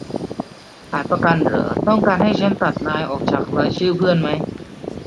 ขายประกันหรอ ต้องการให้ฉันตัดนายออกจากรายชื่อเพื่อนไหม